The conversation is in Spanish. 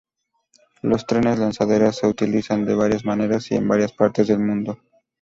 Los trenes lanzadera se utilizan de varias maneras y en varias partes del mundo.